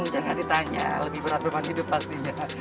jangan ditanya lebih berat beban hidup pastinya